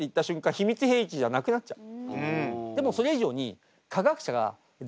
秘密兵器じゃなくなっちゃう。